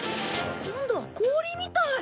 今度は氷みたい。